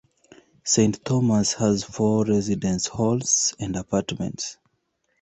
Saint Thomas has four residence halls and apartments.